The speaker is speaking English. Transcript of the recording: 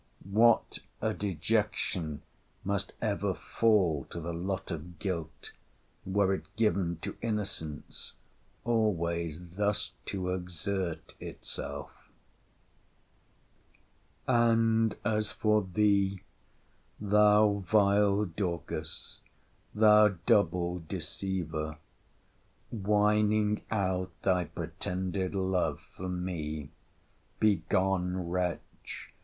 — What a dejection must ever fall to the lot of guilt, were it given to innocence always thus to exert itself! 'And as for thee, thou vile Dorcas! Thou double deceiver!—whining out thy pretended love for me!—Begone, wretch!